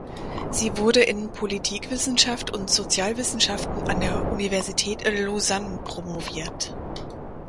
Sie wurde in Politikwissenschaft und Sozialwissenschaften an der Universität Lausanne promoviert.